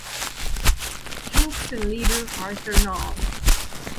Hanks, and Leader, Arthur Nahl.